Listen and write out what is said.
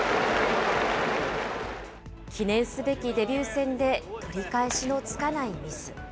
記念すべきデビュー戦で取り返しのつかないミス。